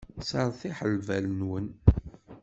Sseṛtiḥ lbal-nnem.